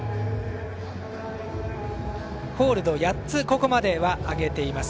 ホールド８つここまでは挙げています。